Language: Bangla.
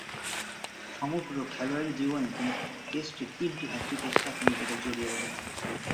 সমগ্র খেলোয়াড়ী জীবনে তিনি টেস্টের তিনটি হ্যাট্রিকের সাথে নিজেকে জড়িয়ে রেখেছেন।